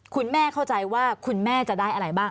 คุณแม่เข้าใจว่าคุณแม่จะได้อะไรบ้าง